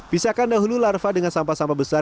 bisa kan dahulu larva dengan sampah sampah besar